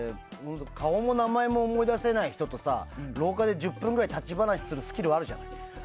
顔も名前も思い出せない人と廊下で１０分ぐらい立ち話するスキルあるじゃない。